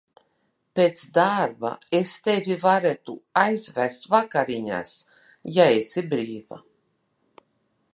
Pēc darba es tevi varētu aizvest vakariņās, ja esi brīva.